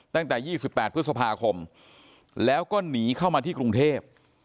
ตั้งแต่๒๘พฤษภาคมแล้วก็หนีเข้ามาที่กรุงเทพ